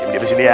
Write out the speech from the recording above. diam di sini ya